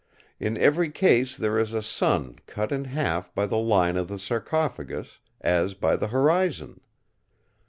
In every case there is a sun cut in half by the line of the sarcophagus, as by the horizon.